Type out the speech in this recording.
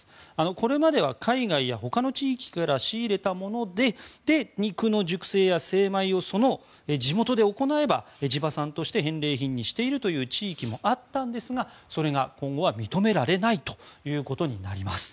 これまでは海外やほかの地域から仕入れたもので肉の熟成や精米をその地元で行えば地場産として返礼品としている地域もあったんですがそれが今後は認められないということになります。